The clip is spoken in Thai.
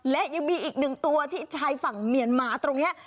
และยังมีอีกหนึ่งตัวที่ชายฝั่งเมียนมาตรงนี้